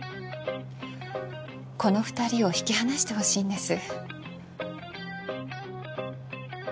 この二人を引き離してほしいんです